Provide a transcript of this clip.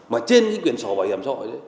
mà trên cái quyển sổ bảo hiểm xã hội